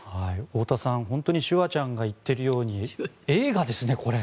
太田さん、本当にシュワちゃんが言ってるように映画ですね、これ。